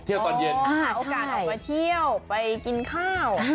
อ๋อใช่เอาการออกมาเที่ยวไปกินข้าว